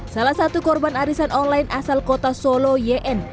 salah satu korban arisan online asal kota solo yn